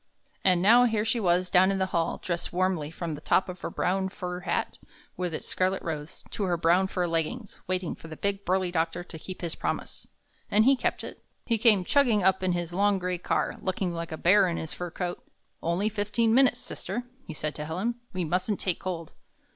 And now here she was down in the hall, dressed warmly from the top of her brown fur hat, with its scarlet rose, to her brown fur leggings, waiting for the big, burly doctor to keep his promise. And he kept it. He came chugging up in his long gray car, looking like a bear in his fur coat. "Only fifteen minutes, sister," he said to Helen. "We mustn't take cold.